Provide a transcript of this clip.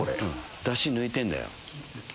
ダシ抜いてんだよ。